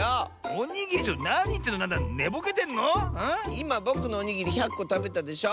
いまぼくのおにぎり１００こたべたでしょ！